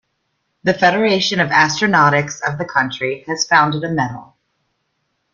The Federation of Astronautics of the country has founded a medal.